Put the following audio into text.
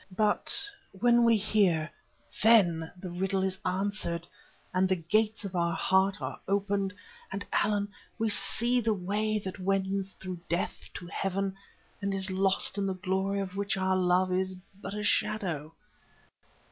But when we hear, then the riddle is answered and the gates of our heart are opened, and, Allan, we see the way that wends through death to heaven, and is lost in the glory of which our love is but a shadow.